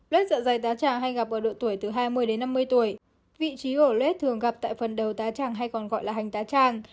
lết dọa dày tá tràng hay gặp ở độ tuổi từ hai mươi năm mươi tuổi vị trí hổ lết thường gặp tại phần đầu tá tràng hay còn gọi là hành tá tràng